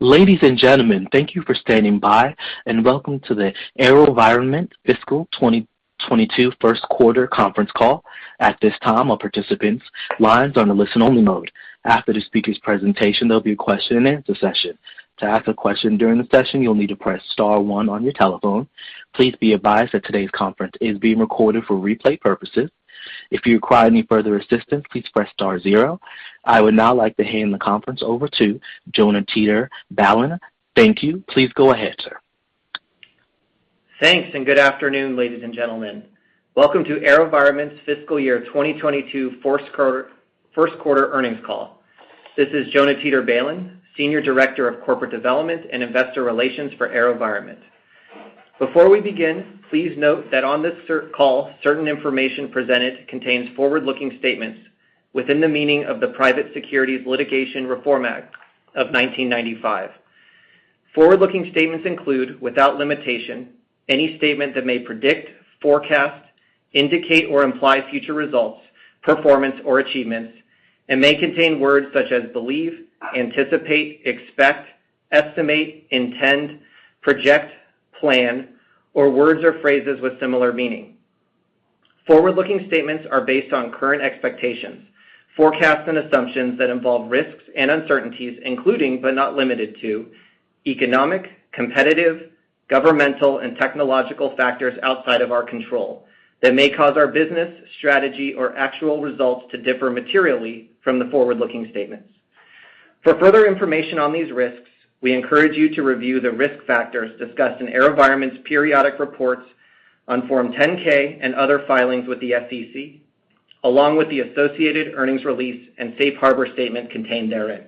Ladies and gentlemen thank you for standing by and welcome to the AeroVironment fiscal 2022 first quarter conference call. At this time time all participants lines are on a listen-only mode. After the speakers presentation there will be question-and-answer session. To ask a question during the session you will need to press star one one on your telephone. Please be advised today's session is being recorded for research purposes. If you require any further assistance please press star zero. I would now like to hand the conference over to Jonah Teeter-Balin. Thank you. Please go ahead, sir. Thanks, good afternoon, ladies and gentlemen. Welcome to AeroVironment's fiscal year 2022 first quarter earnings call. This is Jonah Teeter-Balin, Senior Director of Corporate Development and Investor Relations for AeroVironment. Before we begin, please note that on this call, certain information presented contains forward-looking statements within the meaning of the Private Securities Litigation Reform Act of 1995. Forward-looking statements include, without limitation, any statement that may predict, forecast, indicate, or imply future results, performance, or achievements, and may contain words such as believe, anticipate, expect, estimate, intend, project, plan, or words or phrases with similar meaning. Forward-looking statements are based on current expectations, forecasts, and assumptions that involve risks and uncertainties, including, but not limited to, economic, competitive, governmental, and technological factors outside of our control that may cause our business strategy or actual results to differ materially from the forward-looking statements. For further information on these risks, we encourage you to review the risk factors discussed in AeroVironment's periodic reports on Form 10-K and other filings with the SEC, along with the associated earnings release and safe harbor statement contained therein.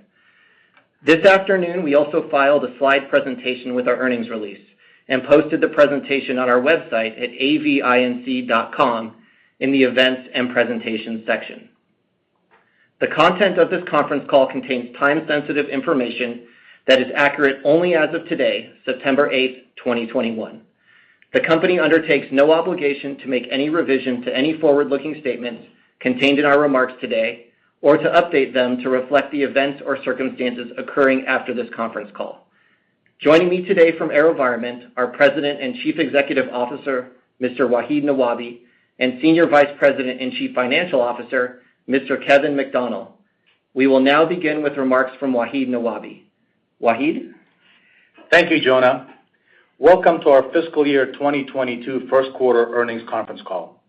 This afternoon, we also filed a slide presentation with our earnings release and posted the presentation on our website at avinc.com in the Events and Presentations section. The content of this conference call contains time-sensitive information that is accurate only as of today, September 8th, 2021. The company undertakes no obligation to make any revision to any forward-looking statements contained in our remarks today or to update them to reflect the events or circumstances occurring after this conference call. Joining me today from AeroVironment are President and Chief Executive Officer, Mr. Wahid Nawabi, and Senior Vice President and Chief Financial Officer, Mr. Kevin McDonnell. We will now begin with remarks from Wahid Nawabi. Wahid? Thank you, Jonah. Welcome to our fiscal year 2022 first quarter earnings conference call.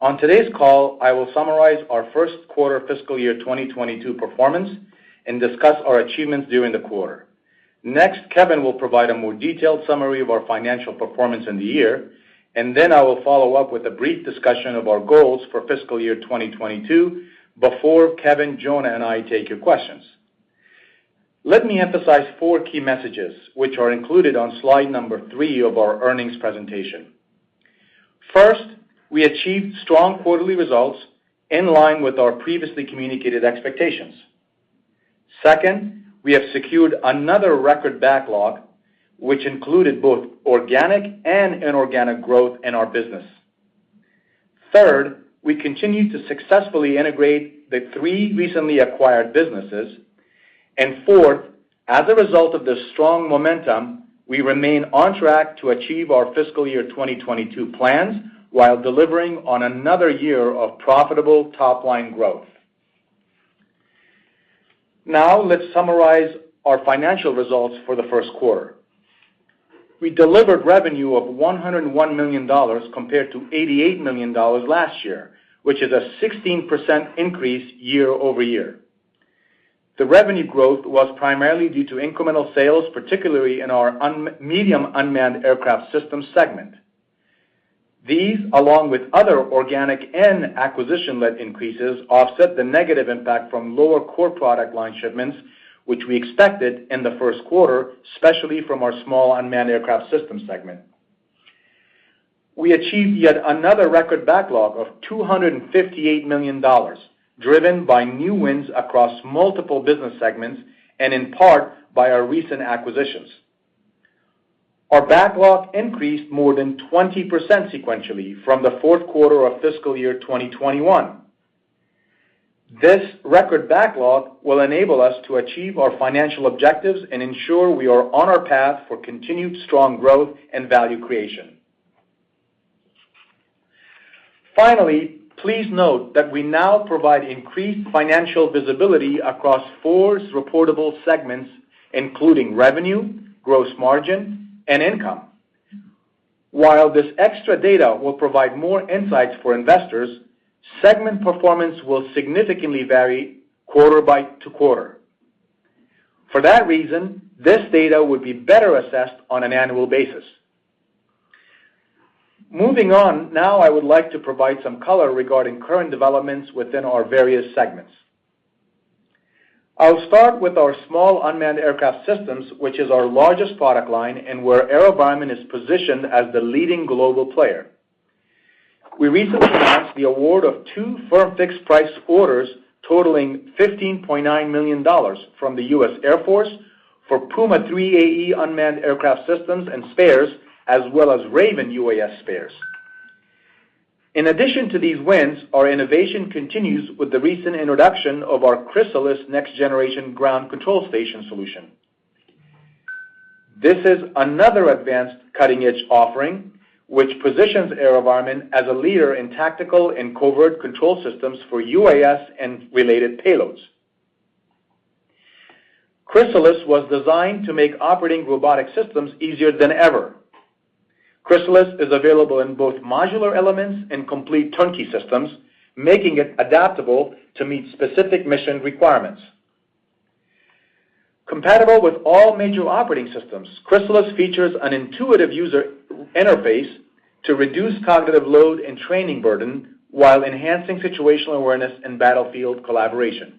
On today's call, I will summarize our first quarter fiscal year 2022 performance and discuss our achievements during the quarter. Next, Kevin will provide a more detailed summary of our financial performance in the year, I will follow up with a brief discussion of our goals for fiscal year 2022 before Kevin, Jonah, and I take your questions. Let me emphasize four key messages, which are included on slide number three of our earnings presentation. First, we achieved strong quarterly results in line with our previously communicated expectations. Second, we have secured another record backlog, which included both organic and inorganic growth in our business. Third, we continue to successfully integrate the three recently acquired businesses. Fourth, as a result of the strong momentum, we remain on track to achieve our fiscal year 2022 plans while delivering on another year of profitable top-line growth. Let's summarize our financial results for the first quarter. We delivered revenue of $101 million compared to $88 million last year, which is a 16% increase year-over-year. The revenue growth was primarily due to incremental sales, particularly in our Medium Unmanned Aircraft System segment. These, along with other organic and acquisition-led increases, offset the negative impact from lower core product line shipments, which we expected in the first quarter, especially from our Small Unmanned Aircraft System segment. We achieved yet another record backlog of $258 million, driven by new wins across multiple business segments and in part by our recent acquisitions. Our backlog increased more than 20% sequentially from the fourth quarter of fiscal year 2021. This record backlog will enable us to achieve our financial objectives and ensure we are on our path for continued strong growth and value creation. Finally, please note that we now provide increased financial visibility across four reportable segments, including revenue, gross margin, and income. While this extra data will provide more insights for investors, segment performance will significantly vary quarter to quarter. For that reason, this data would be better assessed on an annual basis. Moving on, now I would like to provide some color regarding current developments within our various segments. I'll start with our Small unmanned aircraft system, which is our largest product line and where AeroVironment is positioned as the leading global player. We recently announced the award of two firm-fixed-price orders totaling $15.9 million from the U.S. Air Force for Puma 3 AE unmanned aircraft systems and spares, as well as Raven UAS spares. In addition to these wins, our innovation continues with the recent introduction of our Crysalis next-generation ground control station solution. This is another advanced cutting-edge offering, which positions AeroVironment as a leader in tactical and covert control systems for UAS and related payloads. Crysalis was designed to make operating robotic systems easier than ever. Crysalis is available in both modular elements and complete turnkey systems, making it adaptable to meet specific mission requirements. Compatible with all major operating systems, Crysalis features an intuitive user interface to reduce cognitive load and training burden while enhancing situational awareness and battlefield collaboration.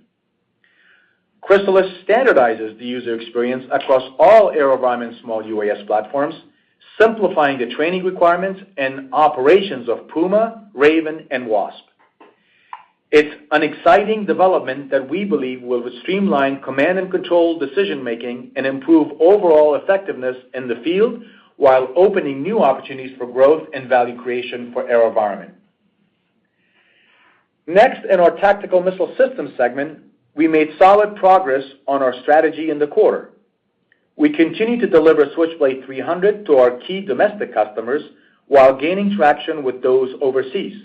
Crysalis standardizes the user experience across all AeroVironment Small UAS platforms, simplifying the training requirements and operations of Puma, Raven, and Wasp. It's an exciting development that we believe will streamline command and control decision-making and improve overall effectiveness in the field, while opening new opportunities for growth and value creation for AeroVironment. Next, in our Tactical Missile Systems segment, we made solid progress on our strategy in the quarter. We continue to deliver Switchblade 300 to our key domestic customers while gaining traction with those overseas.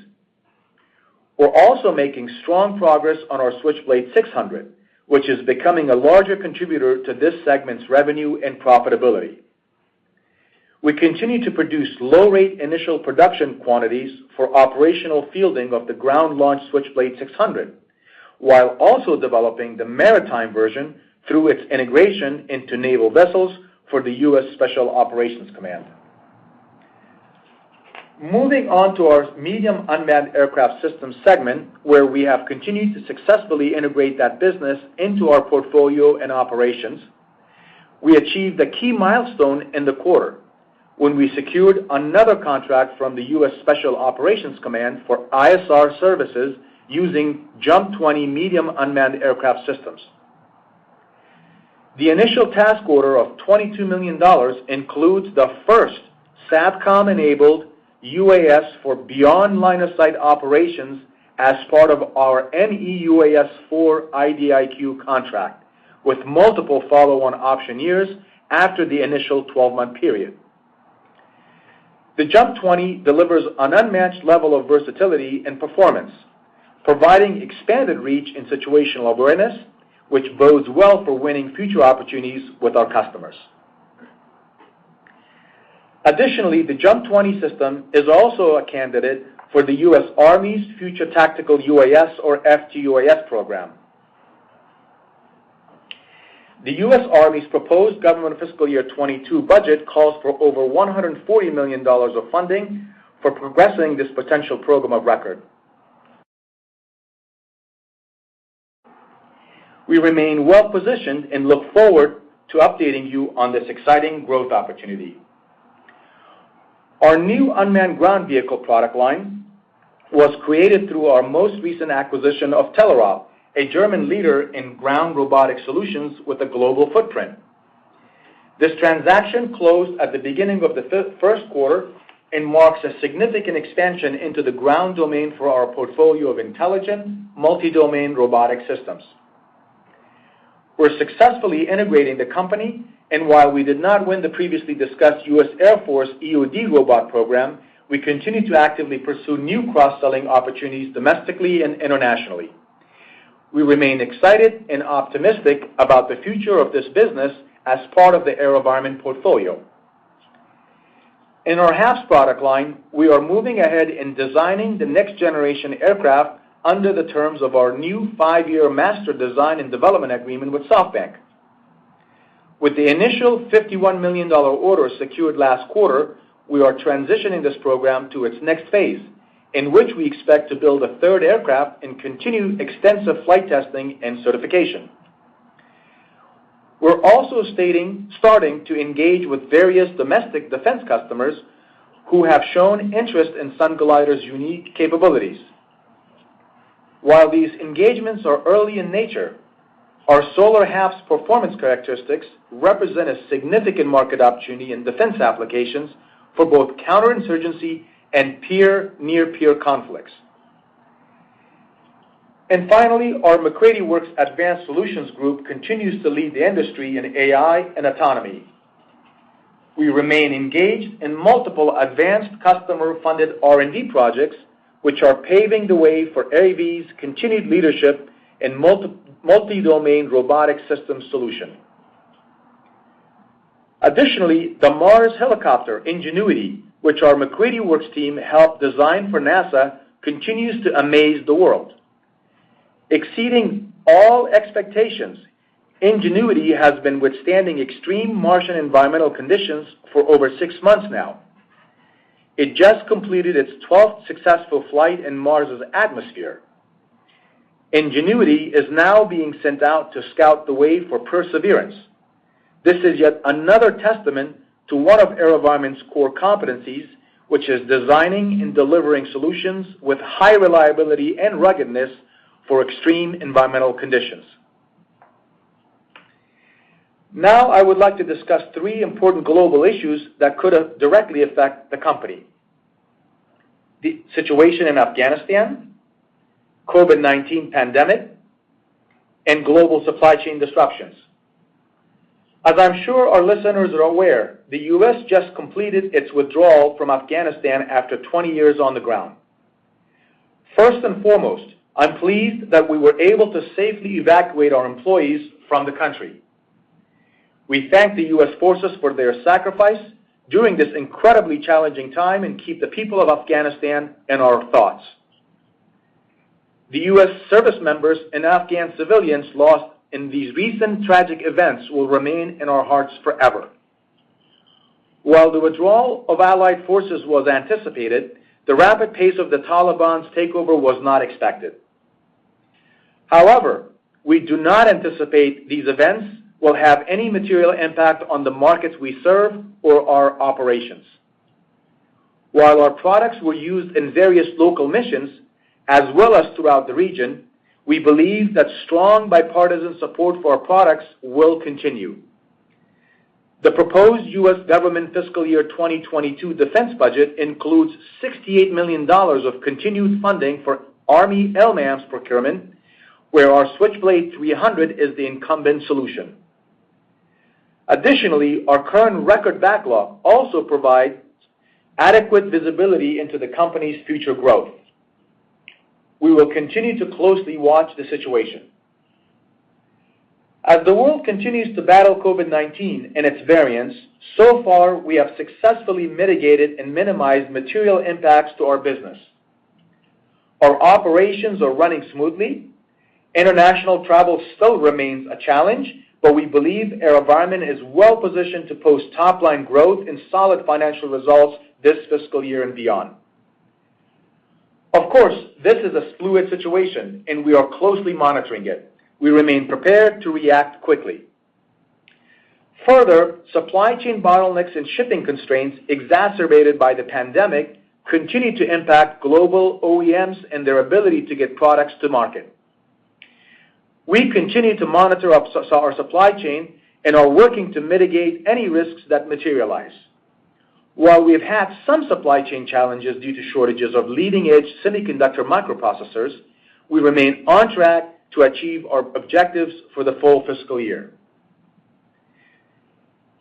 We're also making strong progress on our Switchblade 600, which is becoming a larger contributor to this segment's revenue and profitability. We continue to produce low-rate initial production quantities for operational fielding of the ground-launched Switchblade 600, while also developing the maritime version through its integration into naval vessels for the U.S. Special Operations Command. Moving on to our Medium unmanned aircraft system segment, where we have continued to successfully integrate that business into our portfolio and operations. We achieved a key milestone in the quarter when we secured another contract from the U.S. Special Operations Command for ISR services using JUMP 20 medium unmanned aircraft systems. The initial task order of $22 million includes the first SATCOM-enabled UAS for beyond line-of-sight operations as part of our MEUAS IV IDIQ contract, with multiple follow-on option years after the initial 12-month period. The JUMP 20 delivers an unmatched level of versatility and performance, providing expanded reach and situational awareness, which bodes well for winning future opportunities with our customers. Additionally, the JUMP 20 system is also a candidate for the U.S. Army's future tactical UAS or FTUAS program. The U.S. Army's proposed government fiscal year 2022 budget calls for over $140 million of funding for progressing this potential program of record. We remain well-positioned and look forward to updating you on this exciting growth opportunity. Our new unmanned ground vehicle product line was created through our most recent acquisition of Telerob, a German leader in ground robotic solutions with a global footprint. This transaction closed at the beginning of the first quarter and marks a significant expansion into the ground domain for our portfolio of intelligent, multi-domain robotic systems. We're successfully integrating the company, and while we did not win the previously discussed U.S. Air Force EOD robot program, we continue to actively pursue new cross-selling opportunities domestically and internationally. We remain excited and optimistic about the future of this business as part of the AeroVironment portfolio. In our HAPS product line, we are moving ahead in designing the next-generation aircraft under the terms of our new five-year master design and development agreement with SoftBank. With the initial $51 million order secured last quarter, we are transitioning this program to its next phase, in which we expect to build a 3rd aircraft and continue extensive flight testing and certification. We're also starting to engage with various domestic defense customers who have shown interest in Sunglider's unique capabilities. While these engagements are early in nature, our solar HAPS performance characteristics represent a significant market opportunity in defense applications for both counterinsurgency and peer, near-peer conflicts. Finally, our MacCready Works Advanced Solutions Group continues to lead the industry in AI and autonomy. We remain engaged in multiple advanced customer-funded R&D projects, which are paving the way for AV's continued leadership in multi-domain robotic system solution. Additionally, the Mars helicopter, Ingenuity, which our MacCready Works team helped design for NASA, continues to amaze the world. Exceeding all expectations, Ingenuity has been withstanding extreme Martian environmental conditions for over six months now. It just completed its 12th successful flight in Mars's atmosphere. Ingenuity is now being sent out to scout the way for Perseverance. This is yet another testament to one of AeroVironment's core competencies, which is designing and delivering solutions with high reliability and ruggedness for extreme environmental conditions. Now I would like to discuss three important global issues that could directly affect the company. The situation in Afghanistan, COVID-19 pandemic, and global supply chain disruptions. As I'm sure our listeners are aware, the U.S. just completed its withdrawal from Afghanistan after 20 years on the ground. First and foremost, I'm pleased that we were able to safely evacuate our employees from the country. We thank the U.S. forces for their sacrifice during this incredibly challenging time. Keep the people of Afghanistan in our thoughts. The U.S. service members and Afghan civilians lost in these recent tragic events will remain in our hearts forever. While the withdrawal of allied forces was anticipated, the rapid pace of the Taliban's takeover was not expected. We do not anticipate these events will have any material impact on the markets we serve or our operations. While our products were used in various local missions, as well as throughout the region, we believe that strong bipartisan support for our products will continue. The proposed U.S. government fiscal year 2022 defense budget includes $68 million of continued funding for Army LMAMS procurement, where our Switchblade 300 is the incumbent solution. Our current record backlog also provides adequate visibility into the company's future growth. We will continue to closely watch the situation. As the world continues to battle COVID-19 and its variants, so far, we have successfully mitigated and minimized material impacts to our business. Our operations are running smoothly. International travel still remains a challenge, but we believe AeroVironment is well-positioned to post top-line growth and solid financial results this fiscal year and beyond. Of course, this is a fluid situation, and we are closely monitoring it. We remain prepared to react quickly. Further, supply chain bottlenecks and shipping constraints exacerbated by the pandemic continue to impact global OEMs and their ability to get products to market. We continue to monitor our supply chain and are working to mitigate any risks that materialize. While we've had some supply chain challenges due to shortages of leading-edge semiconductor microprocessors, we remain on track to achieve our objectives for the full fiscal year.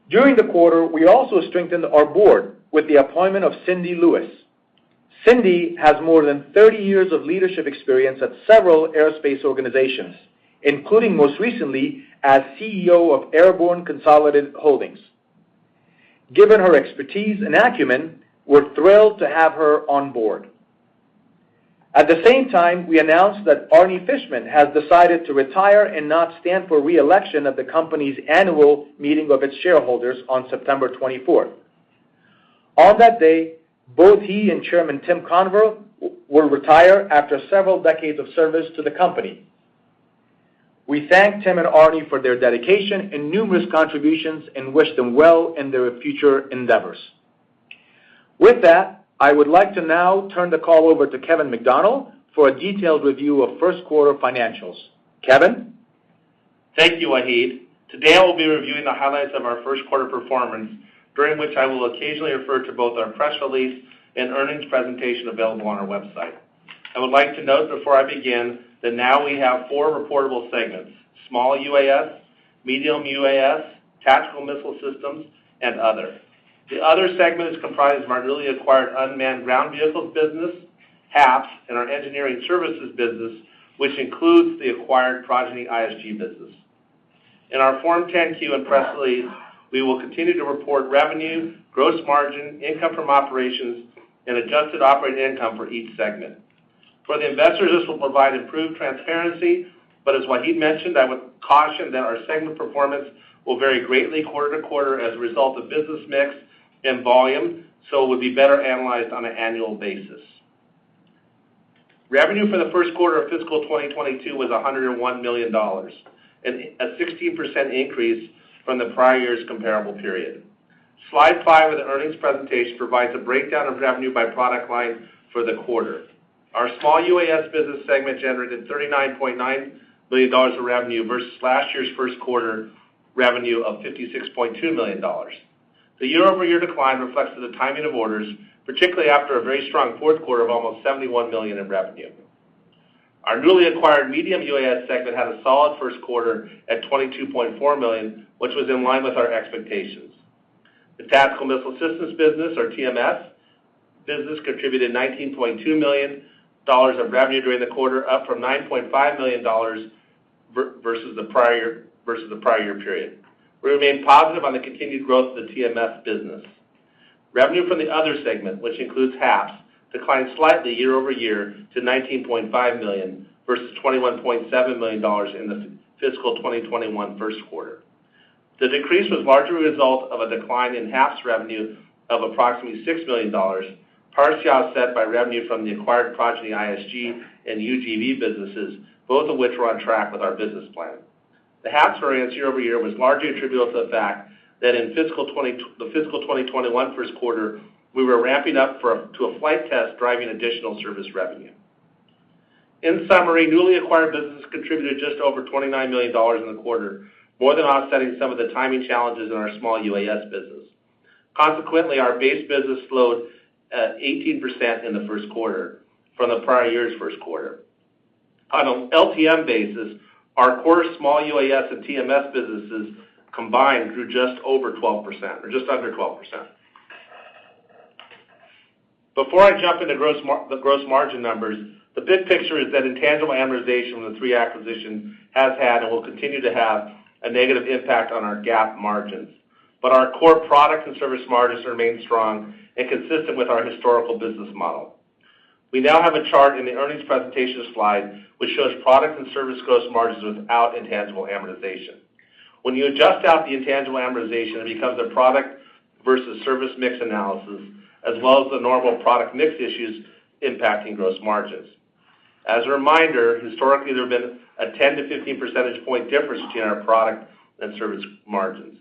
During the quarter, we also strengthened our board with the appointment of Cindy Lewis. Cindy has more than 30 years of leadership experience at several aerospace organizations, including most recently as CEO of Airborn Consolidated Holdings. Given her expertise and acumen, we're thrilled to have her on board. At the same time, we announced that Arnold Fishman has decided to retire and not stand for re-election at the company's annual meeting of its shareholders on September 24th. On that day, both he and Chairman Tim Conver will retire after several decades of service to the company. We thank Tim and Arnold for their dedication and numerous contributions and wish them well in their future endeavors. With that, I would like to now turn the call over to Kevin McDonnell for a detailed review of first quarter financials. Kevin? Thank you, Wahid. Today I will be reviewing the highlights of our first quarter performance, during which I will occasionally refer to both our press release and earnings presentation available on our website. I would like to note before I begin that now we have four reportable segments. Small UAS, Medium UAS, Tactical Missile Systems, and Other. The Other segment is comprised of our newly acquired unmanned ground vehicles business, HAPS, and our engineering services business, which includes the acquired Progeny ISG business. In our Form 10-Q and press release, we will continue to report revenue, gross margin, income from operations, and adjusted operating income for each segment. For the investors, this will provide improved transparency. As Wahid mentioned, I would caution that our segment performance will vary greatly quarter-to-quarter as a result of business mix and volume. It would be better analyzed on an annual basis. Revenue for the first quarter of fiscal 2022 was $101 million. A 16% increase from the prior year's comparable period. Slide five of the earnings presentation provides a breakdown of revenue by product line for the quarter. Our Small UAS business segment generated $39.9 million of revenue versus last year's first quarter revenue of $56.2 million. The year-over-year decline reflects the timing of orders, particularly after a very strong fourth quarter of almost $71 million in revenue. Our newly acquired Medium UAS segment had a solid first quarter at $22.4 million, which was in line with our expectations. The Tactical Missile Systems business, or TMS business, contributed $19.2 million of revenue during the quarter, up from $9.5 million versus the prior year period. We remain positive on the continued growth of the TMS business. Revenue from the Other segment, which includes HAPS, declined slightly year-over-year to $19.5 million versus $21.7 million in the fiscal 2021 first quarter. The decrease was largely a result of a decline in HAPS revenue of approximately $6 million, partially offset by revenue from the acquired Progeny ISG and UGV businesses, both of which were on track with our business plan. The HAPS variance year-over-year was largely attributable to the fact that in the fiscal 2021 first quarter, we were ramping up to a flight test, driving additional service revenue. In summary, newly acquired businesses contributed just over $29 million in the quarter, more than offsetting some of the timing challenges in our Small UAS business. Consequently, our base business slowed at 18% in the first quarter from the prior year's first quarter. On an LTM basis, our core Small UAS and TMS businesses combined grew just under 12%. Before I jump into the gross margin numbers, the big picture is that intangible amortization with the three acquisitions has had and will continue to have a negative impact on our GAAP margins. Our core product and service margins remain strong and consistent with our historical business model. We now have a chart in the earnings presentation slide which shows product and service gross margins without intangible amortization. When you adjust out the intangible amortization, it becomes a product versus service mix analysis, as well as the normal product mix issues impacting gross margins. As a reminder, historically, there have been a 10-15 percentage point difference between our product and service margins.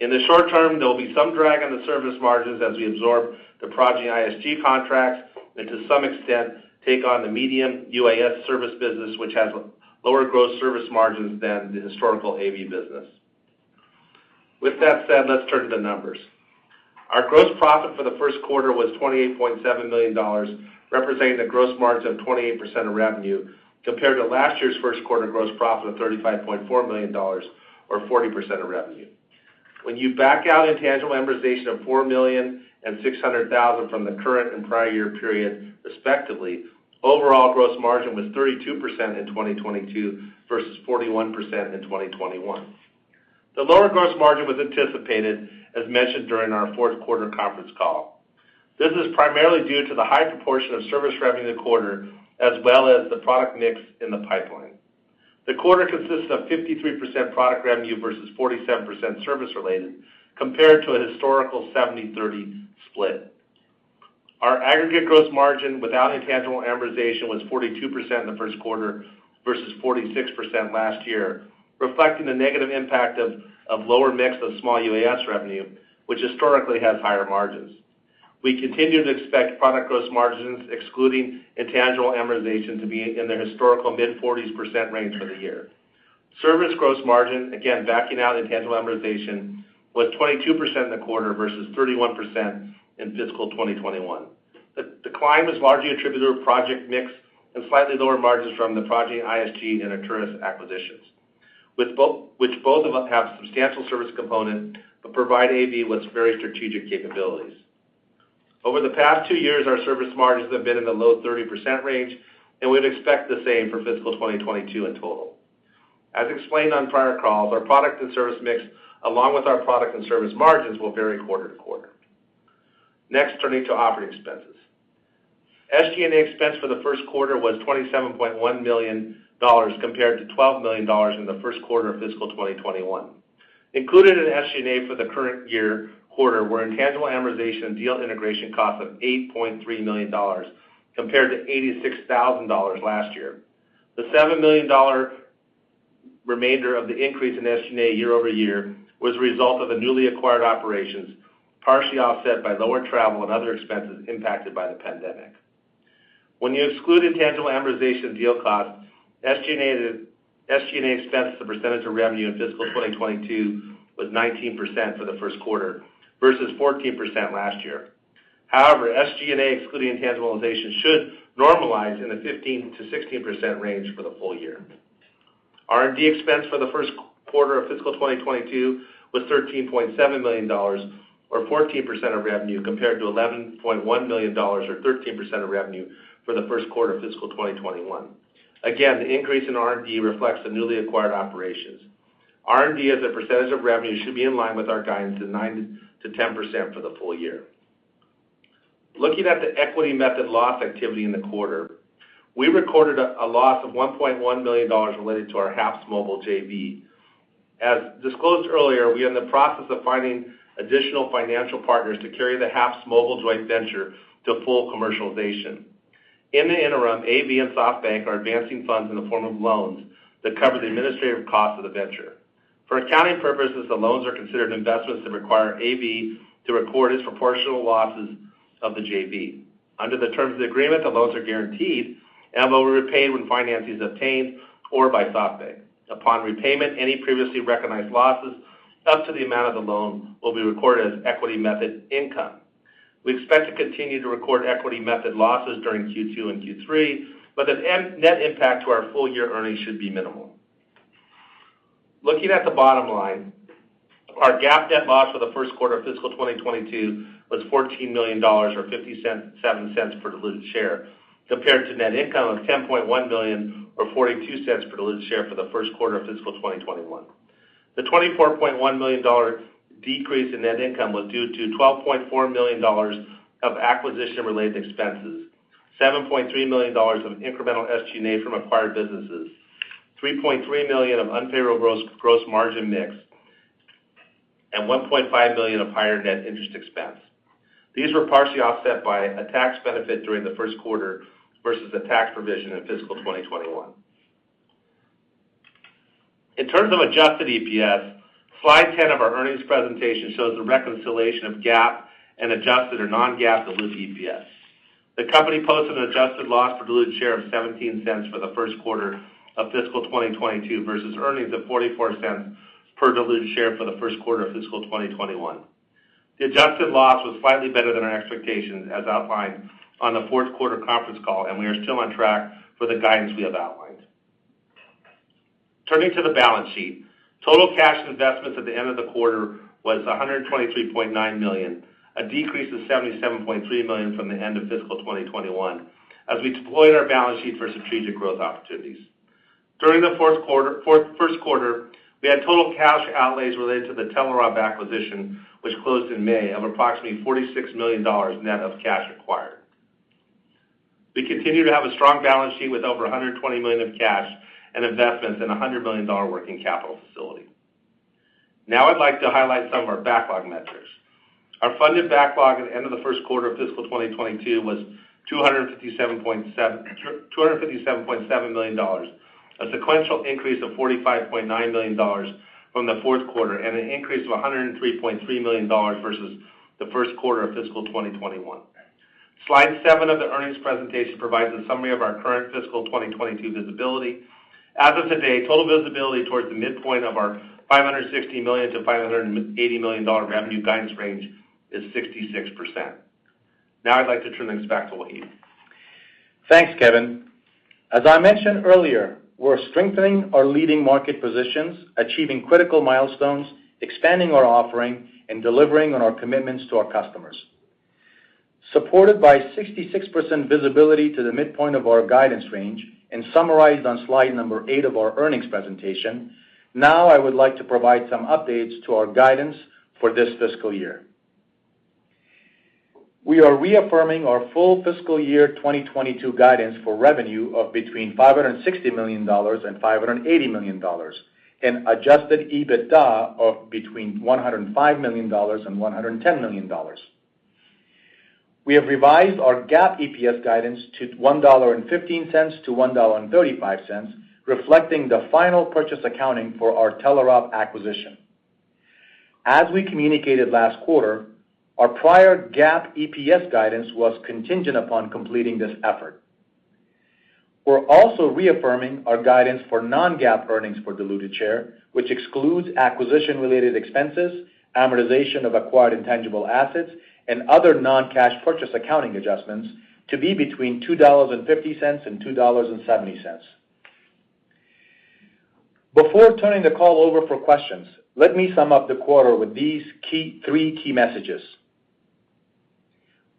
In the short term, there will be some drag on the service margins as we absorb the Progeny ISG contracts, and to some extent, take on the Medium UAS service business, which has lower gross service margins than the historical AV business. With that said, let's turn to the numbers. Our gross profit for the first quarter was $28.7 million, representing a gross margin of 28% of revenue, compared to last year's first quarter gross profit of $35.4 million or 40% of revenue. When you back out intangible amortization of $4.6 million from the current and prior year period respectively, overall gross margin was 32% in 2022 versus 41% in 2021. The lower gross margin was anticipated as mentioned during our fourth quarter conference call. This is primarily due to the high proportion of service revenue in the quarter, as well as the product mix in the pipeline. The quarter consists of 53% product revenue versus 47% service-related, compared to a historical 70/30 split. Our aggregate gross margin without intangible amortization was 42% in the first quarter versus 46% last year, reflecting the negative impact of lower mix of Small UAS revenue, which historically has higher margins. We continue to expect product gross margins excluding intangible amortization to be in the historical mid-40%s range for the year. Service gross margin, again, backing out intangible amortization, was 22% in the quarter versus 31% in fiscal 2021. The decline was largely attributed to project mix and slightly lower margins from the Progeny ISG and Arcturus acquisitions, which both have substantial service component but provide AV with very strategic capabilities. Over the past two years, our service margins have been in the low 30% range, and we'd expect the same for fiscal 2022 in total. As explained on prior calls, our product and service mix, along with our product and service margins, will vary quarter to quarter. Next, turning to operating expenses. SG&A expense for the first quarter was $27.1 million compared to $12 million in the first quarter of fiscal 2021. Included in SG&A for the current year quarter were intangible amortization and deal integration costs of $8.3 million compared to $86,000 last year. The $7 million remainder of the increase in SG&A year-over-year was a result of the newly acquired operations, partially offset by lower travel and other expenses impacted by the pandemic. When you exclude intangible amortization and deal costs, SG&A expense as a percentage of revenue in fiscal 2022 was 19% for the first quarter versus 14% last year. However, SG&A, excluding intangible amortization, should normalize in the 15%-16% range for the full year. R&D expense for the first quarter of fiscal 2022 was $13.7 million or 14% of revenue compared to $11.1 million or 13% of revenue for the first quarter of fiscal 2021. Again, the increase in R&D reflects the newly acquired operations. R&D as a percentage of revenue should be in line with our guidance of 9%-10% for the full year. Looking at the equity method loss activity in the quarter, we recorded a loss of $1.1 million related to our HAPSMobile JV. As disclosed earlier, we are in the process of finding additional financial partners to carry the HAPSMobile joint venture to full commercialization. In the interim, AV and SoftBank are advancing funds in the form of loans that cover the administrative cost of the venture. For accounting purposes, the loans are considered investments that require AV to record its proportional losses of the JV. Under the terms of the agreement, the loans are guaranteed and will be repaid when financing is obtained or by SoftBank. Upon repayment, any previously recognized losses up to the amount of the loan will be recorded as equity method income. We expect to continue to record equity method losses during Q2 and Q3, but the net impact to our full-year earnings should be minimal. Looking at the bottom line, our GAAP net loss for the first quarter of fiscal 2022 was $14 million or $0.57 per diluted share, compared to net income of $10.1 million or $0.42 per diluted share for the first quarter of fiscal 2021. The $24.1 million decrease in net income was due to $12.4 million of acquisition-related expenses, $7.3 million of incremental SG&A from acquired businesses, $3.3 million of unfavorable gross margin mix, and $1.5 million of higher net interest expense. These were partially offset by a tax benefit during the first quarter versus a tax provision in fiscal 2021. In terms of adjusted EPS, slide 10 of our earnings presentation shows the reconciliation of GAAP and adjusted or non-GAAP diluted EPS. The company posted an adjusted loss per diluted share of $0.17 for the first quarter of fiscal 2022 versus earnings of $0.44 per diluted share for the first quarter of fiscal 2021. The adjusted loss was slightly better than our expectations as outlined on the fourth quarter conference call, and we are still on track for the guidance we have outlined. Turning to the balance sheet, total cash investments at the end of the quarter was $123.9 million, a decrease of $77.3 million from the end of fiscal 2021, as we deployed our balance sheet for strategic growth opportunities. During the first quarter, we had total cash outlays related to the Telerob acquisition, which closed in May, of approximately $46 million net of cash acquired. We continue to have a strong balance sheet with over $120 million of cash and investments in $100 million working capital facility. Now I'd like to highlight some of our backlog metrics. Our funded backlog at end of the first quarter of fiscal 2022 was $257.7 million, a sequential increase of $45.9 million from the fourth quarter, and an increase of $103.3 million versus the first quarter of fiscal 2021. Slide seven of the earnings presentation provides a summary of our current fiscal 2022 visibility. As of today, total visibility towards the midpoint of our $560 million-$580 million revenue guidance range is 66%. Now I'd like to turn things back to Wahid. Thanks, Kevin. As I mentioned earlier, we're strengthening our leading market positions, achieving critical milestones, expanding our offering, and delivering on our commitments to our customers. Supported by 66% visibility to the midpoint of our guidance range and summarized on slide number eight of our earnings presentation, now I would like to provide some updates to our guidance for this fiscal year. We are reaffirming our full fiscal year 2022 guidance for revenue of between $560 million and $580 million, and adjusted EBITDA of between $105 million and $110 million. We have revised our GAAP EPS guidance to $1.15-$1.35, reflecting the final purchase accounting for our Telerob acquisition. As we communicated last quarter, our prior GAAP EPS guidance was contingent upon completing this effort. We're also reaffirming our guidance for non-GAAP earnings per diluted share, which excludes acquisition-related expenses, amortization of acquired intangible assets, and other non-cash purchase accounting adjustments to be between $2.50 and $2.70. Before turning the call over for questions, let me sum up the quarter with these three key messages.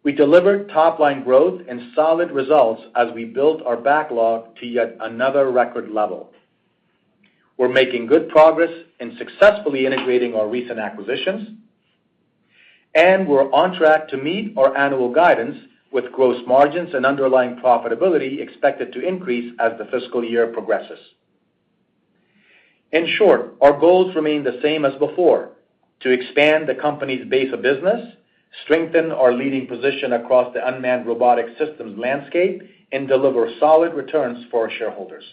We delivered top-line growth and solid results as we built our backlog to yet another record level. We're making good progress in successfully integrating our recent acquisitions, we're on track to meet our annual guidance, with gross margins and underlying profitability expected to increase as the fiscal year progresses. In short, our goals remain the same as before: to expand the company's base of business, strengthen our leading position across the unmanned robotic systems landscape, and deliver solid returns for our shareholders.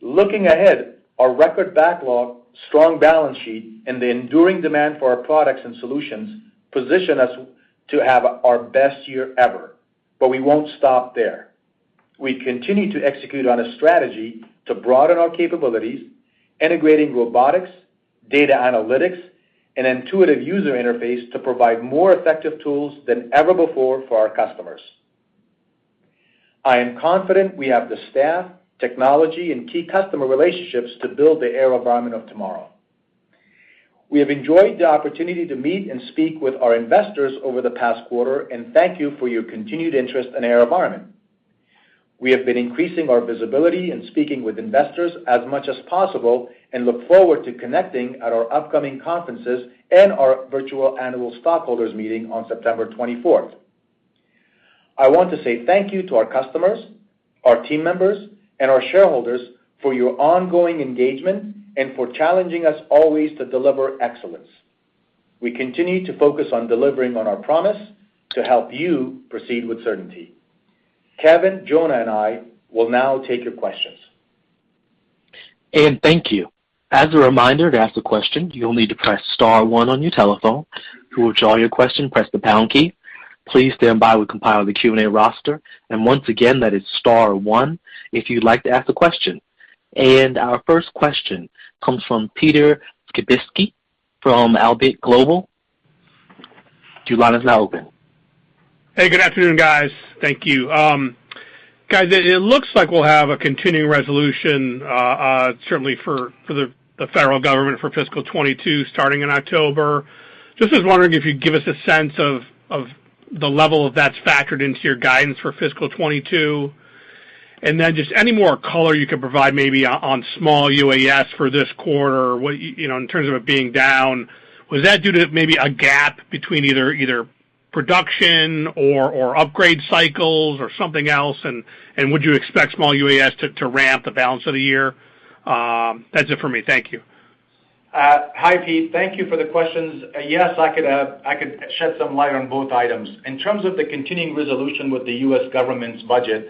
Looking ahead, our record backlog, strong balance sheet, and the enduring demand for our products and solutions position us to have our best year ever. We won't stop there. We continue to execute on a strategy to broaden our capabilities, integrating robotics, data analytics, and intuitive user interface to provide more effective tools than ever before for our customers. I am confident we have the staff, technology, and key customer relationships to build the AeroVironment of tomorrow. We have enjoyed the opportunity to meet and speak with our investors over the past quarter, and thank you for your continued interest in AeroVironment. We have been increasing our visibility and speaking with investors as much as possible and look forward to connecting at our upcoming conferences and our virtual annual stockholders meeting on September 24th. I want to say thank you to our customers, our team members, and our shareholders for your ongoing engagement and for challenging us always to deliver excellence. We continue to focus on delivering on our promise to help you proceed with certainty. Kevin, Jonah, and I will now take your questions. Thank you. As a reminder, to ask a question, you'll need to press star one on your telephone. To withdraw your question, press the pound key. Please stand by. We'll compile the Q&A roster. Once again, that is star one if you'd like to ask a question. Our first question comes from Peter Skibitski from Alembic Global. Your line is now open. Hey, good afternoon, guys. Thank you. Guys, it looks like we'll have a continuing resolution, certainly for the Federal Government for fiscal 2022 starting in October. Was wondering if you'd give us a sense of the level that's factored into your guidance for fiscal 2022. Any more color you could provide maybe on Small UAS for this quarter in terms of it being down. Was that due to maybe a gap between either production or upgrade cycles or something else? Would you expect Small UAS to ramp the balance of the year? That's it for me. Thank you. Hi, Pete. Thank you for the questions. Yes, I could shed some light on both items. In terms of the continuing resolution with the U.S. government's budget,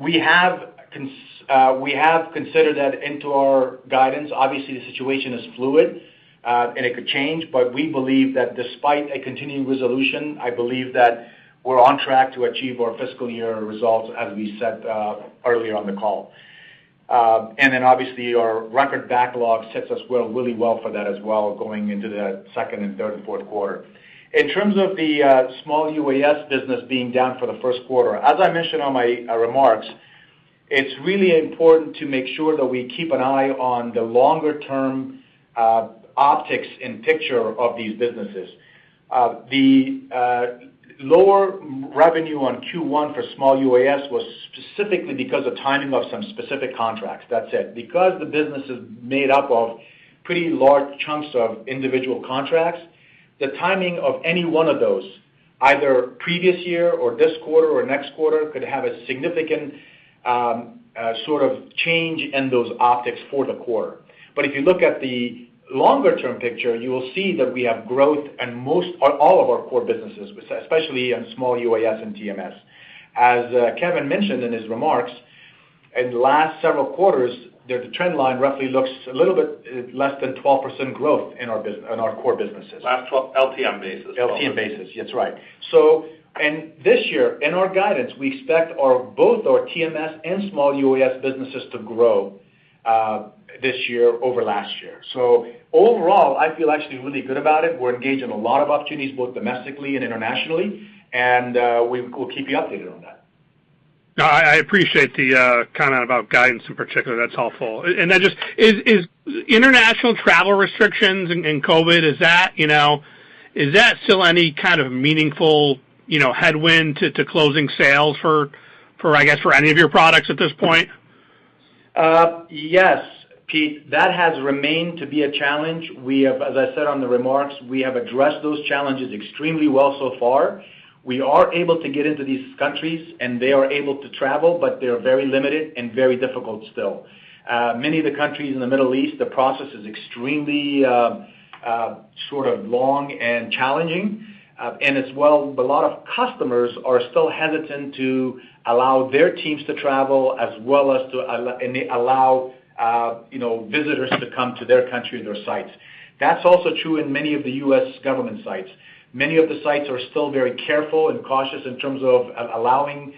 we have considered that into our guidance. Obviously, the situation is fluid and it could change, but we believe that despite a continuing resolution, I believe that we're on track to achieve our fiscal year results as we said earlier on the call. Obviously our record backlog sets us really well for that as well, going into the second and third and fourth quarter. In terms of the Small UAS business being down for the first quarter, as I mentioned on my remarks, it's really important to make sure that we keep an eye on the longer-term optics and picture of these businesses. The lower revenue on Q1 for Small UAS was specifically because of timing of some specific contracts. That's it. Because the business is made up of pretty large chunks of individual contracts, the timing of any one of those, either previous year or this quarter or next quarter, could have a significant sort of change in those optics for the quarter. If you look at the longer-term picture, you will see that we have growth in all of our core businesses, especially in Small UAS and TMS. As Kevin mentioned in his remarks, in the last several quarters, the trend line roughly looks a little bit less than 12% growth in our core businesses. Last 12 LTM basis. LTM basis. That's right. This year, in our guidance, we expect both our TMS and Small UAS businesses to grow this year over last year. Overall, I feel actually really good about it. We're engaged in a lot of opportunities both domestically and internationally, and we'll keep you updated on that. No, I appreciate the comment about guidance in particular. That's helpful. Just, is international travel restrictions and COVID, is that still any kind of meaningful headwind to closing sales for, I guess, for any of your products at this point? Yes, Pete. That has remained to be a challenge. As I said on the remarks, we have addressed those challenges extremely well so far. We are able to get into these countries, and they are able to travel, but they're very limited and very difficult still. Many of the countries in the Middle East, the process is extremely sort of long and challenging. As well, a lot of customers are still hesitant to allow their teams to travel as well as to allow visitors to come to their country and their sites. That's also true in many of the U.S. government sites. Many of the sites are still very careful and cautious in terms of allowing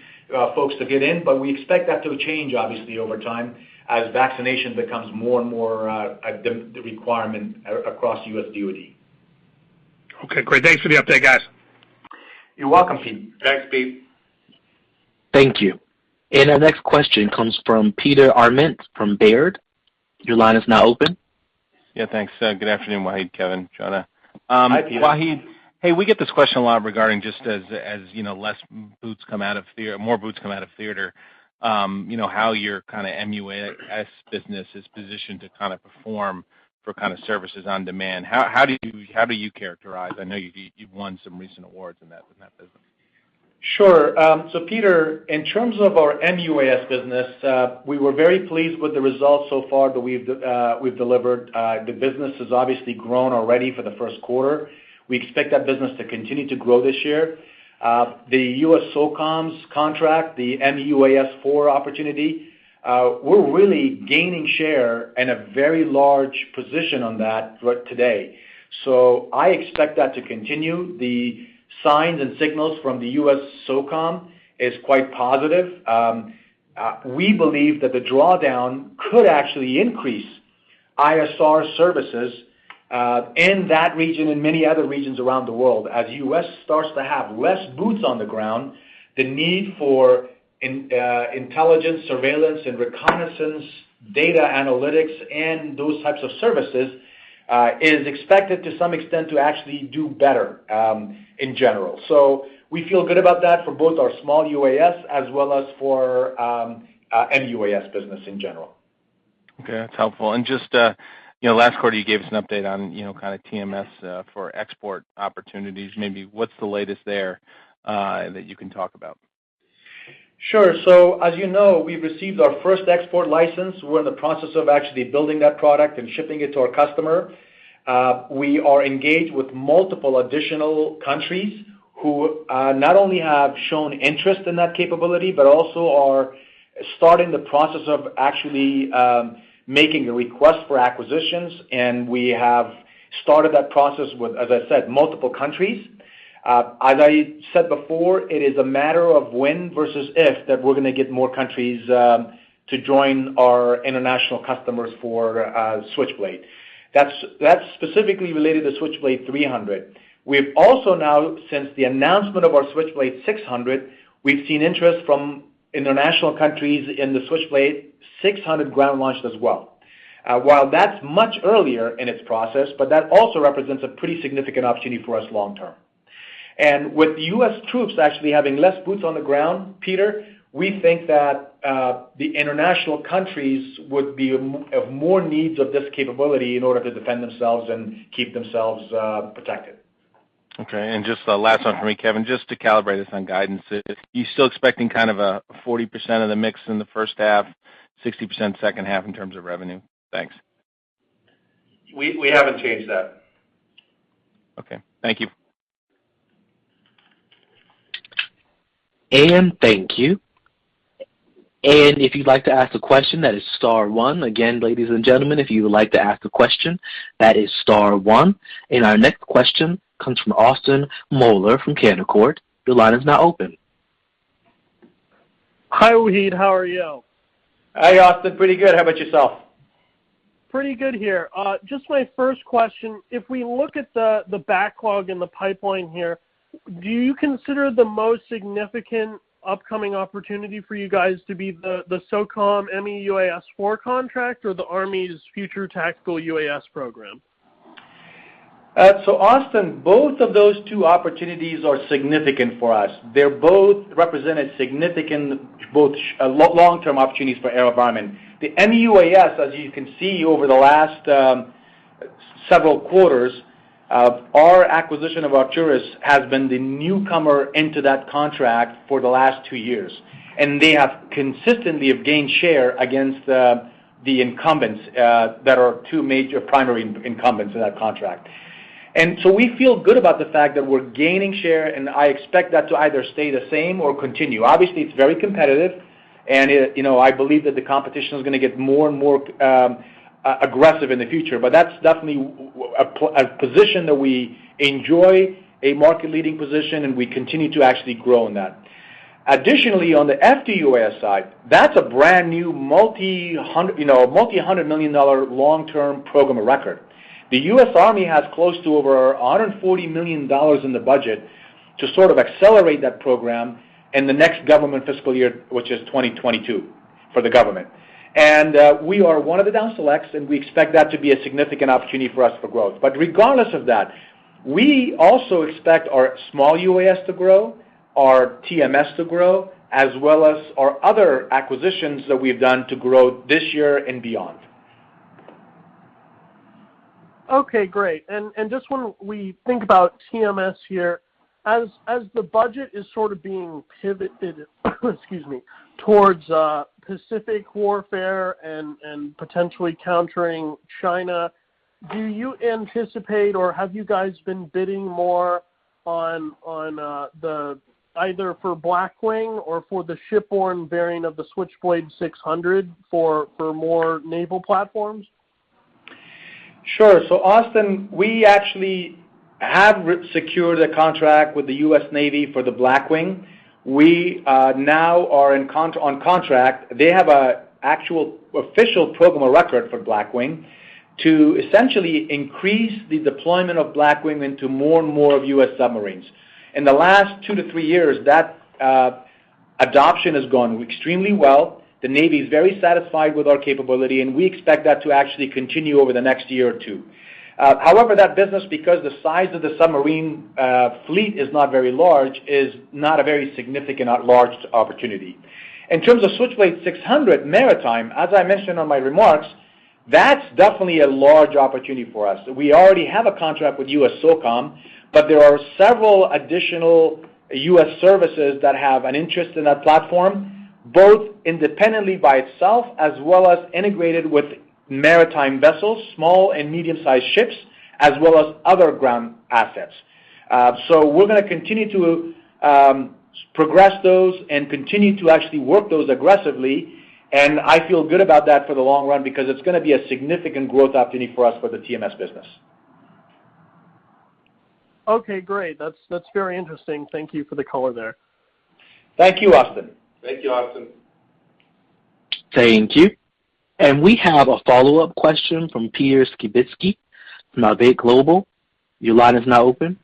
folks to get in, but we expect that to change obviously over time as vaccination becomes more and more the requirement across U.S. DOD. Okay, great. Thanks for the update, guys. You're welcome, Pete. Thanks, Pete. Thank you. Our next question comes from Peter Arment from Baird. Your line is now open. Yeah, thanks. Good afternoon, Wahid, Kevin, Jonah. Hi, Peter. Wahid, hey, we get this question a lot regarding just as more boots come out of theater, how your kind of MUAS business is positioned to perform for services on demand. How do you characterize? I know you've won some recent awards in that business. Sure. Peter, in terms of our MUAS business, we were very pleased with the results so far that we've delivered. The business has obviously grown already for the first quarter. We expect that business to continue to grow this year. The USSOCOM's contract, the MEUAS IV opportunity, we're really gaining share and a very large position on that today. I expect that to continue. The signs and signals from the USSOCOM is quite positive. We believe that the drawdown could actually increase ISR services, in that region and many other regions around the world. As U.S. starts to have less boots on the ground, the need for intelligence, surveillance, and reconnaissance, data analytics, and those types of services, is expected to some extent to actually do better in general. We feel good about that for both our Small UAS as well as for MUAS business in general. Okay, that's helpful. Just, last quarter you gave us an update on TMS for export opportunities. Maybe what's the latest there that you can talk about? Sure. As you know, we've received our first export license. We're in the process of actually building that product and shipping it to our customer. We are engaged with multiple additional countries who not only have shown interest in that capability, but also are starting the process of actually making a request for acquisitions. We have started that process with, as I said, multiple countries. As I said before, it is a matter of when versus if that we're going to get more countries to join our international customers for Switchblade. That's specifically related to Switchblade 300. We've also now, since the announcement of our Switchblade 600, we've seen interest from international countries in the Switchblade 600 ground launch as well. While that's much earlier in its process, but that also represents a pretty significant opportunity for us long-term. With U.S. troops actually having less boots on the ground, Peter, we think that the international countries would have more needs of this capability in order to defend themselves and keep themselves protected. Just the last one for me, Kevin, just to calibrate us on guidance. You're still expecting kind of a 40% of the mix in the first half, 60% second half in terms of revenue? Thanks. We haven't changed that. Okay. Thank you. Thank you. If you'd like to ask a question, that is star one. Again, ladies and gentlemen, if you would like to ask a question, that is star one. Our next question comes from Austin Moeller from Canaccord. Your line is now open. Hi, Wahid. How are you? Hi, Austin. Pretty good. How about yourself? Pretty good here. Just my first question, if we look at the backlog in the pipeline here, do you consider the most significant upcoming opportunity for you guys to be the SOCOM MEUAS IV contract or the Army's Future Tactical UAS program? Austin, both of those two opportunities are significant for us. They both represent significant long-term opportunities for AeroVironment. The MEUAS, as you can see over the last several quarters, our acquisition of Arcturus has been the newcomer into that contract for the last two years. They have consistently gained share against the incumbents that are two major primary incumbents in that contract. We feel good about the fact that we're gaining share, and I expect that to either stay the same or continue. Obviously, it's very competitive, and I believe that the competition is going to get more and more aggressive in the future. That's definitely a position that we enjoy, a market-leading position, and we continue to actually grow in that. Additionally, on the FTUAS side, that's a brand-new multi-hundred-million-dollar long-term program of record. The U.S. Army has close to over $140 million in the budget to sort of accelerate that program in the next government fiscal year, which is 2022 for the government. We are one of the down selects, and we expect that to be a significant opportunity for us for growth. Regardless of that, we also expect our Small UAS to grow, our TMS to grow, as well as our other acquisitions that we've done to grow this year and beyond. Okay, great. Just when we think about TMS here, as the budget is sort of being pivoted towards Pacific warfare and potentially countering China, do you anticipate, or have you guys been bidding more either for Blackwing or for the shipborne bearing of the Switchblade 600 for more naval platforms? Sure. Austin, we actually have secured a contract with the U.S. Navy for the Blackwing. We now are on contract. They have an actual official program of record for Blackwing to essentially increase the deployment of Blackwing into more and more of U.S. submarines. In the last two to three years, that adoption has gone extremely well. The Navy is very satisfied with our capability, and we expect that to actually continue over the next year or two. However, that business, because the size of the submarine fleet is not very large, is not a very significant or large opportunity. In terms of Switchblade 600 Maritime, as I mentioned in my remarks, that's definitely a large opportunity for us. We already have a contract with USSOCOM, but there are several additional U.S. services that have an interest in that platform, both independently by itself as well as integrated with maritime vessels, small and medium-sized ships, as well as other ground assets. We're going to continue to progress those and continue to actually work those aggressively. I feel good about that for the long run because it's going to be a significant growth opportunity for us for the TMS business. Okay, great. That's very interesting. Thank you for the color there. Thank you, Austin. Thank you. We have a follow-up question from Peter Skibitski from Alembic Global. Your line is now open.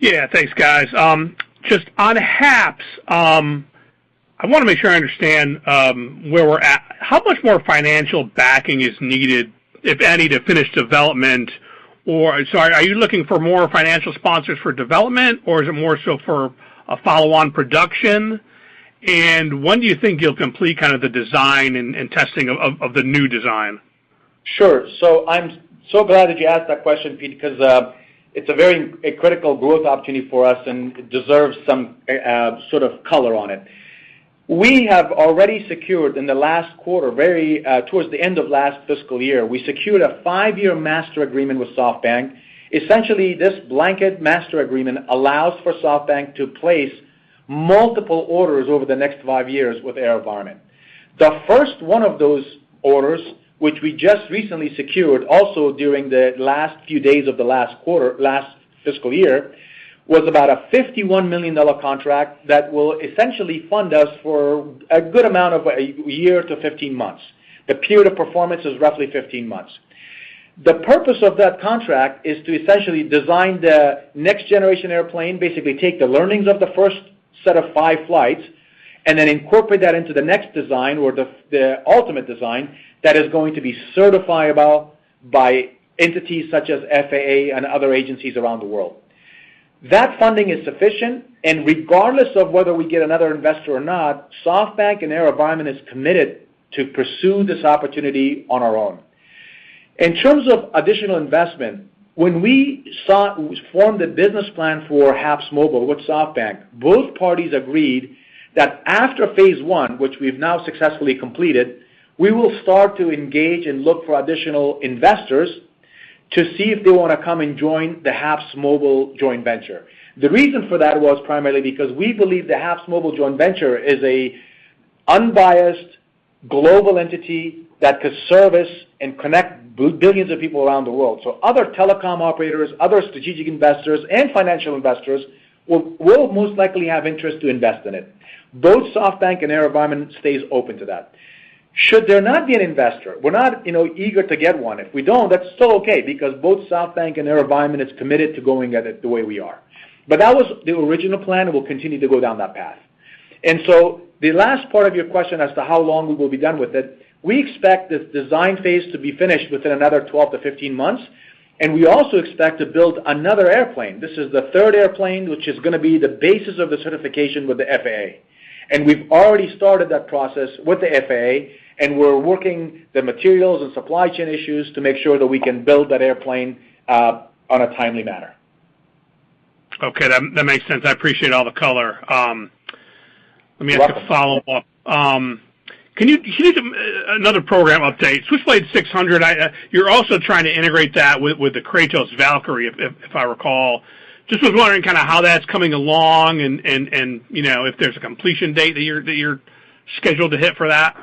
Yeah. Thanks, guys. Just on HAPS, I want to make sure I understand where we're at. How much more financial backing is needed, if any, to finish development or, so are you looking for more financial sponsors for development, or is it more so for a follow-on production? When do you think you'll complete kind of the design and testing of the new design? Sure. I'm so glad that you asked that question, Pete, because, it's a very critical growth opportunity for us, and it deserves some sort of color on it. We have already secured in the last quarter, very towards the end of last fiscal year, we secured a five-year master agreement with SoftBank. Essentially, this blanket master agreement allows for SoftBank to place multiple orders over the next five years with AeroVironment. The first one of those orders, which we just recently secured also during the last few days of the last quarter, last fiscal year, was about a $51 million contract that will essentially fund us for a good amount of a year to 15 months. The period of performance is roughly 15 months. The purpose of that contract is to essentially design the next generation airplane, basically take the learnings of the first set of five flights, and then incorporate that into the next design or the ultimate design that is going to be certifiable by entities such as FAA and other agencies around the world. That funding is sufficient, and regardless of whether we get another investor or not, SoftBank and AeroVironment is committed to pursue this opportunity on our own. In terms of additional investment, when we formed the business plan for HAPSMobile with SoftBank, both parties agreed that after phase I, which we've now successfully completed, we will start to engage and look for additional investors to see if they want to come and join the HAPSMobile joint venture. The reason for that was primarily because we believe the HAPSMobile joint venture is an unbiased, global entity that could service and connect billions of people around the world. Other telecom operators, other strategic investors, and financial investors will most likely have interest to invest in it. Both SoftBank and AeroVironment stays open to that. Should there not be an investor, we're not eager to get one. If we don't, that's still okay because both SoftBank and AeroVironment is committed to going at it the way we are. That was the original plan, and we'll continue to go down that path. The last part of your question as to how long we will be done with it, we expect this design phase to be finished within another 12-15 months, and we also expect to build another airplane. This is the third airplane, which is going to be the basis of the certification with the FAA. We've already started that process with the FAA, and we're working the materials and supply chain issues to make sure that we can build that airplane on a timely manner. Okay. That makes sense. I appreciate all the color. You're welcome. Let me ask a follow-up. Can you give another program update? Switchblade 600, you're also trying to integrate that with the Kratos Valkyrie, if I recall. Just was wondering kind of how that's coming along, and if there's a completion date that you're scheduled to hit for that.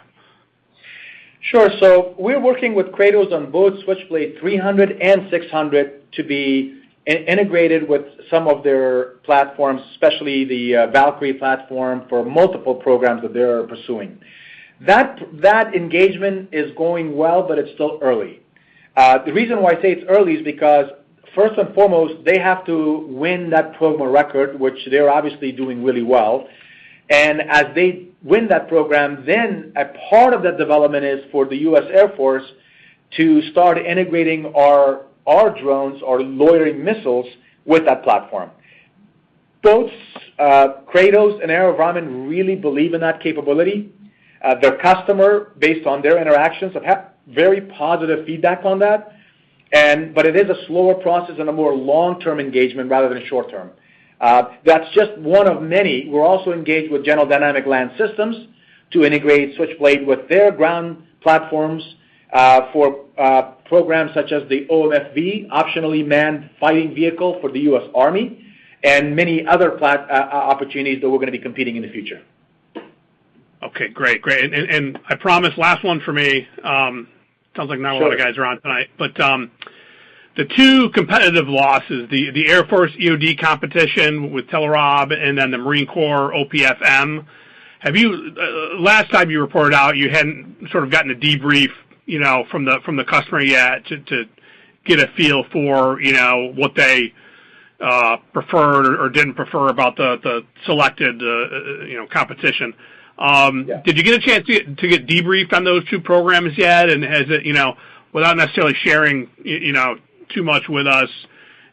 Sure. We're working with Kratos on both Switchblade 300 and 600 to be integrated with some of their platforms, especially the Valkyrie platform, for multiple programs that they are pursuing. That engagement is going well, but it's still early. The reason why I say it's early is because, first and foremost, they have to win that program of record, which they're obviously doing really well. As they win that program, then a part of that development is for the U.S. Air Force to start integrating our drones, our loitering missiles, with that platform. Both Kratos and AeroVironment really believe in that capability. Their customer, based on their interactions, have had very positive feedback on that, but it is a slower process and a more long-term engagement rather than short-term. That's just one of many. We're also engaged with General Dynamics Land Systems to integrate Switchblade with their ground platforms for programs such as the OMFV, Optionally Manned Fighting Vehicle for the U.S. Army, and many other opportunities that we're going to be competing in the future. Okay, great. I promise, last one from me. Sounds like not a lot of guys. Sure are on tonight. The two competitive losses, the Air Force EOD competition with Telerob and then the Marine Corps OPF-M, last time you reported out, you hadn't sort of gotten a debrief from the customer yet to get a feel for what they preferred or didn't prefer about the selected competition. Yeah. Did you get a chance to get debriefed on those two programs yet? Without necessarily sharing too much with us,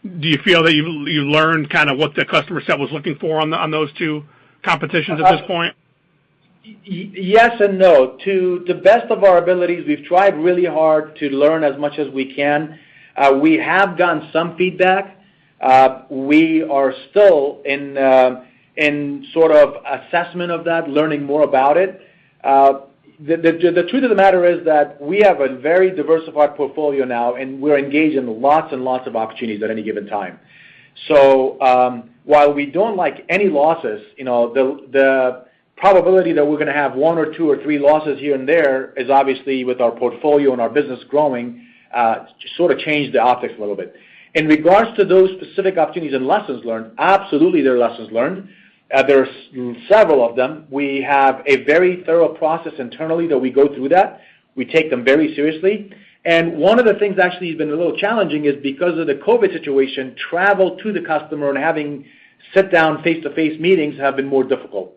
do you feel that you learned what the customer set was looking for on those two competitions at this point? Yes and no. To the best of our abilities, we've tried really hard to learn as much as we can. We have gotten some feedback. We are still in sort of assessment of that, learning more about it. The truth of the matter is that we have a very diversified portfolio now, and we're engaged in lots and lots of opportunities at any given time. While we don't like any losses, the probability that we're going to have one or two or three losses here and there is obviously with our portfolio and our business growing, sort of changed the optics a little bit. In regards to those specific opportunities and lessons learned, absolutely there are lessons learned. There's several of them. We have a very thorough process internally that we go through that. We take them very seriously. One of the things actually has been a little challenging is because of the COVID-19 situation, travel to the customer and having sit-down face-to-face meetings have been more difficult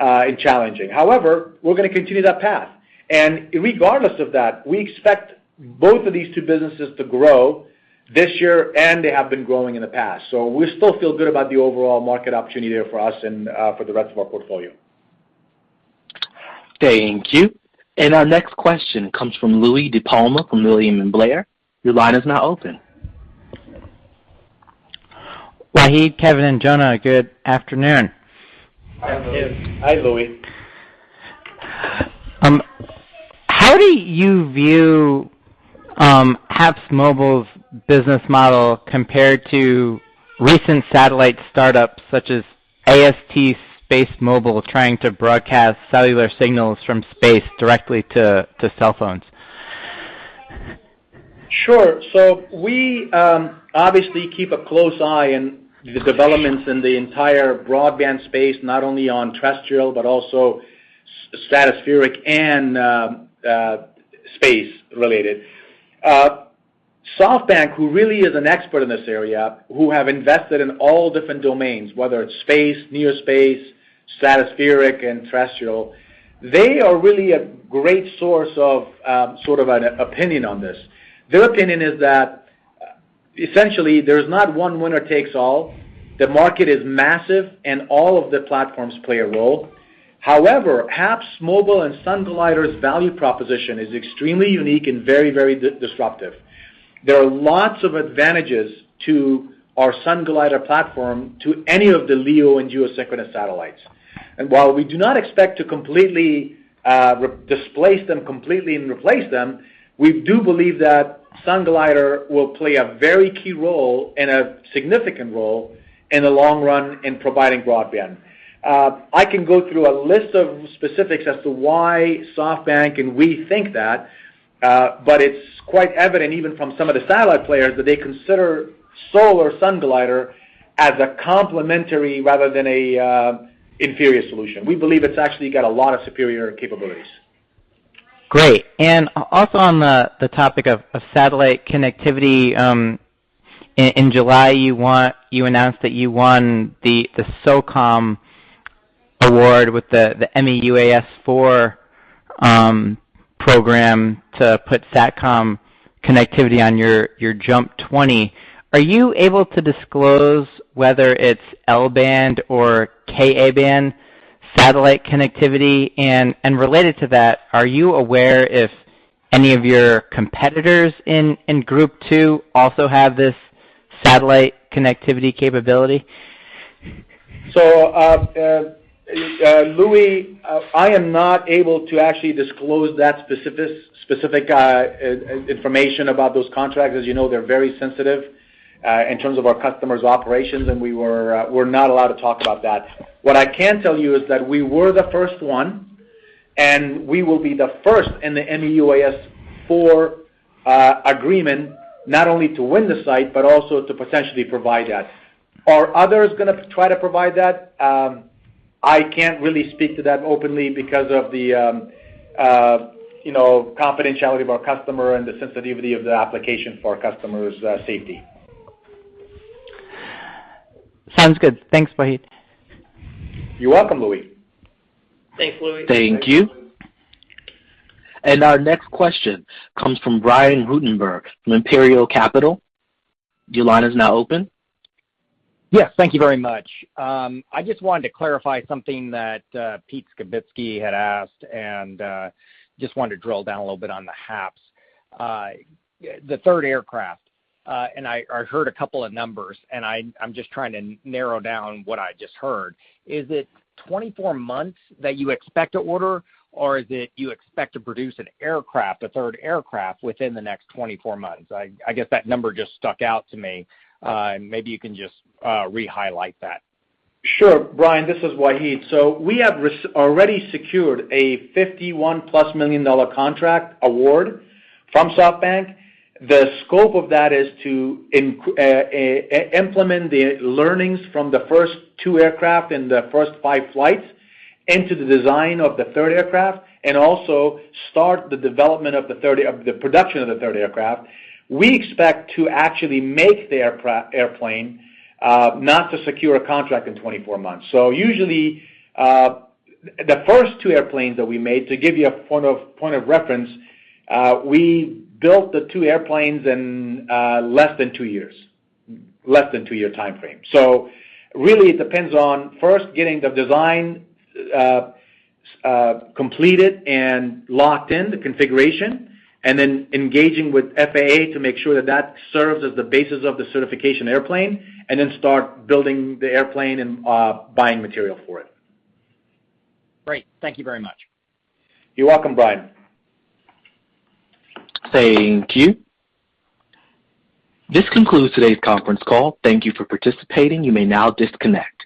and challenging. However, we're going to continue that path. Regardless of that, we expect both of these two businesses to grow this year, and they have been growing in the past. We still feel good about the overall market opportunity there for us and for the rest of our portfolio. Thank you. Our next question comes from Louie DiPalma from William Blair. Your line is now open. Wahid, Kevin, and Jonah, good afternoon. Hi, Louie. Hi. How do you view HAPSMobile's business model compared to recent satellite startups such as AST SpaceMobile trying to broadcast cellular signals from space directly to cell phones? Sure. We obviously keep a close eye on the developments in the entire broadband space, not only on terrestrial, but also stratospheric and space-related. SoftBank, who really is an expert in this area, who have invested in all different domains, whether it's space, near space, stratospheric, and terrestrial. They are really a great source of sort of an opinion on this. Their opinion is that. Essentially, there's not one winner takes all. The market is massive and all of the platforms play a role. However, HAPSMobile and Sunglider's value proposition is extremely unique and very disruptive. There are lots of advantages to our Sunglider platform to any of the LEO and geosynchronous satellites. While we do not expect to completely displace them completely and replace them, we do believe that Sunglider will play a very key role and a significant role in the long run in providing broadband. I can go through a list of specifics as to why SoftBank and we think that, but it's quite evident even from some of the satellite players that they consider solar Sunglider as a complementary rather than an inferior solution. We believe it's actually got a lot of superior capabilities. Great. Also on the topic of satellite connectivity, in July, you announced that you won the SOCOM award with the MEUAS IV program to put SATCOM connectivity on your JUMP 20. Are you able to disclose whether it's L-band or Ka-band satellite connectivity? Related to that, are you aware if any of your competitors in Group Two also have this satellite connectivity capability? Louie, I am not able to actually disclose that specific information about those contracts. As you know, they're very sensitive in terms of our customers' operations, and we're not allowed to talk about that. What I can tell you is that we were the first one, and we will be the first in the MEUAS IV agreement, not only to win the site, but also to potentially provide that. Are others going to try to provide that? I can't really speak to that openly because of the confidentiality of our customer and the sensitivity of the application for our customer's safety. Sounds good. Thanks, Wahid. You're welcome, Louie. Thanks, Louie. Thank you. Our next question comes from Brian Ruttenbur from Imperial Capital. Your line is now open. Yes. Thank you very much. I just wanted to clarify something that Peter Skibitski had asked, and just wanted to drill down a little bit on the HAPS. The third aircraft, and I heard a couple of numbers, and I'm just trying to narrow down what I just heard. Is it 24 months that you expect to order, or is it you expect to produce an aircraft, a third aircraft, within the next 24 months? I guess that number just stuck out to me. Maybe you can just re-highlight that. Sure. Brian, this is Wahid. We have already secured a $51+ million contract award from SoftBank. The scope of that is to implement the learnings from the first two aircraft and the first five flights into the design of the third aircraft, and also start the development of the production of the third aircraft. We expect to actually make the airplane, not to secure a contract in 24 months. Usually, the first two airplanes that we made, to give you a point of reference, we built the two airplanes in less than two years. Less than two-year timeframe. Really, it depends on first getting the design completed and locked in, the configuration, and then engaging with FAA to make sure that serves as the basis of the certification airplane, and then start building the airplane and buying material for it. Great. Thank you very much. You're welcome, Brian. Thank you. This concludes today's conference call. Thank you for participating. You may now disconnect.